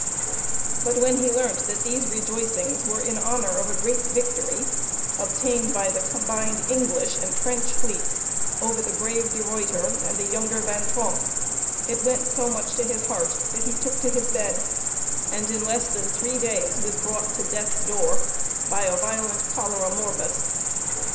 But when he learnt that these rejoicings were in honor of a great victory obtained by the combined English and French fleets over the brave De Ruyter and the younger Van Tromp, it went so much to his heart that he took to his bed, and in less than three days was brought to death's door by a violent cholera morbus!